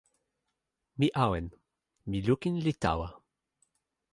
mi awen. mi lukin li tawa.